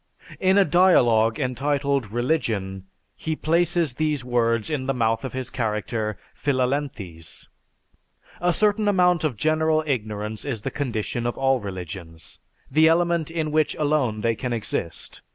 In a dialogue entitled "Religion," he places these words in the mouth of his character Philalethes: "A certain amount of general ignorance is the condition of all religions, the element in which alone they can exist.